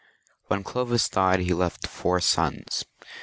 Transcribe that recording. When Clovis died he left four sons.